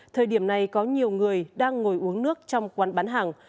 thời điểm này có nhiều người đang ngồi uống nước trong quán bán hàng